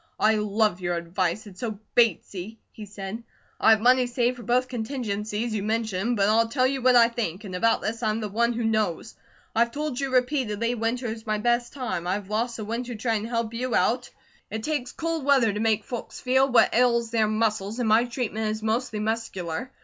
"I love you advice; it's so Batesy," he said. "I have money saved for both contingencies you mention, but I'll tell you what I think, and about this I'm the one who knows. I've told you repeatedly winter is my best time. I've lost the winter trying to help you out; and I've little chance until winter comes again. It takes cold weather to make folks feel what ails their muscles, and my treatment is mostly muscular.